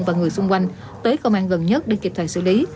và người xung quanh tới công an gần nhất để kịp thời xử lý